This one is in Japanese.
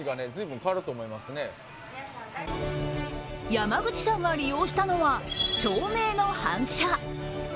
山口さんが利用したのは照明の反射。